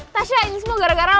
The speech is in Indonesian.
tasya ini semua gara gara